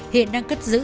hiện đang cất giữ